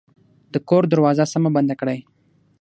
د کور دروازه سمه بنده کړئ